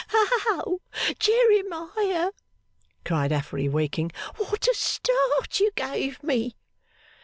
'Oh Jeremiah!' cried Affery, waking. 'What a start you gave me!